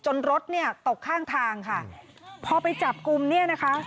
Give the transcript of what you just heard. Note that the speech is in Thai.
รถเนี่ยตกข้างทางค่ะพอไปจับกลุ่มเนี่ยนะคะ